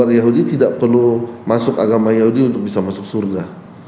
yahudi tidak perlu masuk agama yahudi untuk bisa masuk surga